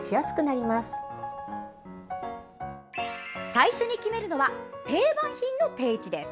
最初に決めるのは定番品の定位置です。